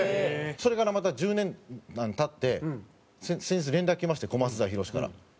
それからまた１０年経って先日連絡来ましてコマツザワヒロシから。